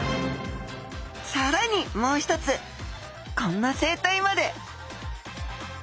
もう一つこんな生態まで！